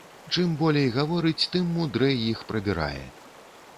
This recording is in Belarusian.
Чым болей гаворыць, тым мудрэй іх прабірае.